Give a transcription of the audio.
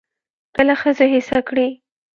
کله ښځو هڅه کړې